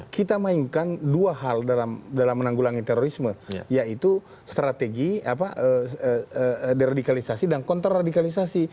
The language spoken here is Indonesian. kita mainkan dua hal dalam menanggulangi terorisme yaitu strategi deradikalisasi dan kontraradikalisasi